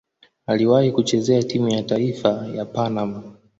Aliwahi kucheza timu ya taifa ya Panama.